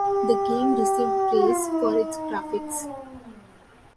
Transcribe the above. The game received praise for its graphics.